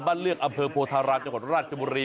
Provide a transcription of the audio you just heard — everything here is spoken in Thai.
บ้านเลือกอำพลผัวธาราชจนตรีราชบุรี